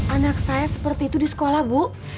anak saya seperti itu di sekolah bu